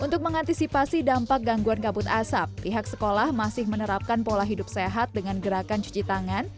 untuk mengantisipasi dampak gangguan kabut asap pihak sekolah masih menerapkan pola hidup sehat dengan gerakan cuci tangan